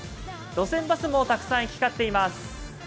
路線バスもたくさん行き交っています。